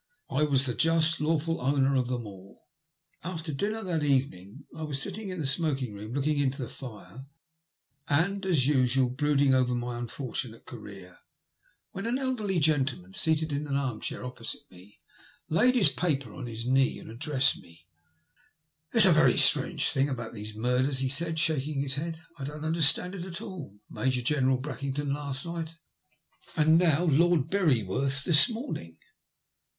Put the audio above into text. I was the just, lawful owner of them all. After dinner that evening I was sitting in the smok ing room looking into the fire and, as usual, brooding over my unfortunate career, when an elderly gentle man, seated in an armchair opposite me, laid his paper on his knee and addressed me. 42 THE LUST OF HATE. ^' It's a very Btrange thing about these murders," he said, shaking his head. I don't understand it at all. Major General Brackington last night, and now Lord Beryworth this morning."